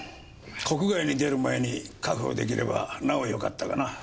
国外に出る前に確保出来ればなおよかったがな。